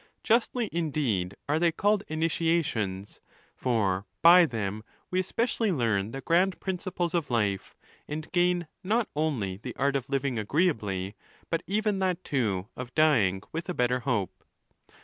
Justly indeed are they called initiations, for by them we especially learn the grand princi ples of life, and gain, not only the art of living agreeably, but even that too of dying with a better hope.